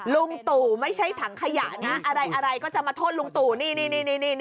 ลุงตู่ไม่ใช่ถังขยะนะอะไรก็จะมาโทษลุงตู่นี่